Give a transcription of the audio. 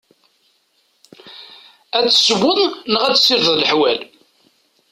Ad tessewweḍ neɣ ad tessirdeḍ leḥwal?